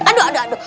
aduh aduh aduh